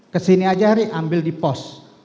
kesini aja ambil di pos